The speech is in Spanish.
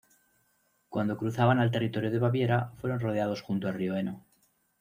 Cuando cruzaban al territorio de Baviera, fueron rodeados junto al río Eno.